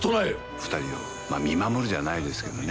二人を見守るじゃないですけどね